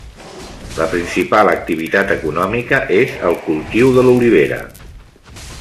La principal activitat econòmica és el cultiu de l'olivera.